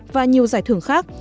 và nhiều giải thưởng khác